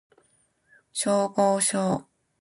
消防署